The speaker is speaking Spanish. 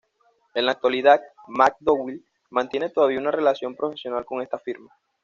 En la actualidad MacDowell mantiene todavía una relación profesional con esta firma.